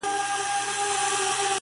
دا د هجر شپې به ټولي پرې سبا کړو,